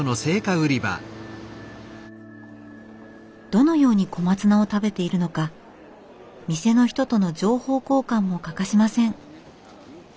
どのように小松菜を食べているのか店の人との情報交換も欠かしません。